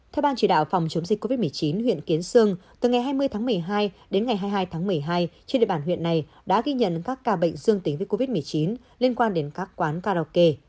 theo ban chỉ đạo phòng chống dịch covid một mươi chín huyện kiến sương từ ngày hai mươi tháng một mươi hai đến ngày hai mươi hai tháng một mươi hai trên địa bàn huyện này đã ghi nhận các ca bệnh dương tính với covid một mươi chín liên quan đến các quán karaoke